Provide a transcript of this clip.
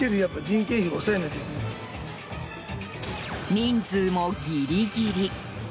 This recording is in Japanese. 人数もギリギリ。